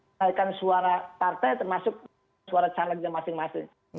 menaikkan suara partai termasuk suara calegnya masing masing